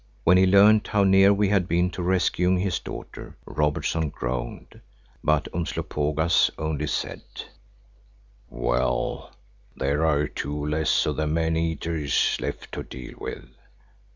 When he learned how near we had been to rescuing his daughter, Robertson groaned, but Umslopogaas only said, "Well, there are two less of the men eaters left to deal with.